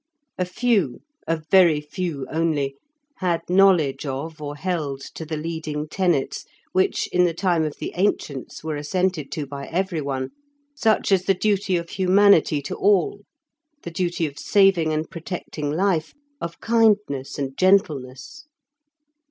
A few, a very few only, had knowledge of or held to the leading tenets, which, in the time of the ancients, were assented to by everyone, such as the duty of humanity to all, the duty of saving and protecting life, of kindness and gentleness.